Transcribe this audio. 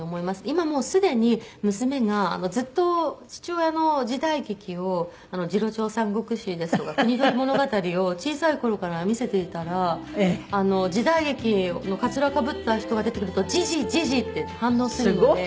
今もうすでに娘がずっと父親の時代劇を『次郎長三国志』ですとか『国盗り物語』を小さい頃から見せていたら時代劇のかつらをかぶった人が出てくると「じーじいじーじい」って反応するので。